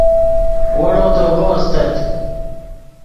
ویڑو تروگو استت